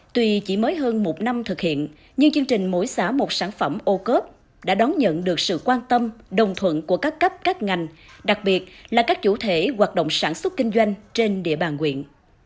tuy chỉ mới hơn một năm thực hiện nhưng chương trình mỗi xã một sản phẩm ô cớp đã đón nhận được sự quan tâm đồng thuận của các cấp các ngành đặc biệt là các chủ thể hoạt động sản xuất kinh doanh trên địa bàn huyện